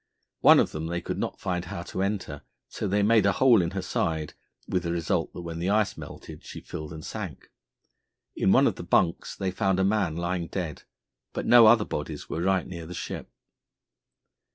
One of them they could not find how to enter, so they made a hole in her side, with the result that when the ice melted she filled and sank. In one of the bunks they found a man lying dead, but no other bodies were right near the ship.